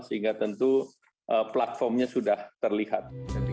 sehingga tentu platformnya sudah terlihat